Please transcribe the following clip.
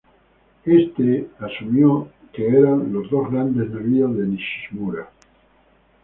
Este asumió de que eran los dos grandes navíos de Nishimura.